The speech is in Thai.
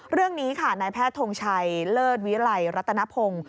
เรื่องนี้ค่ะนายแพทย์ทงชัยเลิศวิลัยรัตนพงศ์